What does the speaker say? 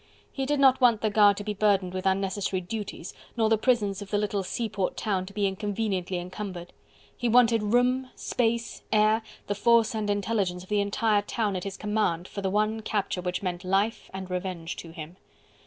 He did not want the guard to be burdened with unnecessary duties, nor the prisons of the little sea port town to be inconveniently encumbered. He wanted room, space, air, the force and intelligence of the entire town at his command for the one capture which meant life and revenge to him.